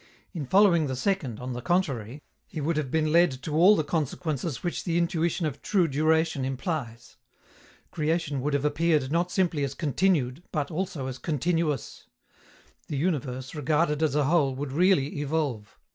In following the second, on the contrary, he would have been led to all the consequences which the intuition of true duration implies. Creation would have appeared not simply as continued, but also as continuous. The universe, regarded as a whole, would really evolve.